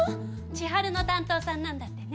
千晴の担当さんなんだってね。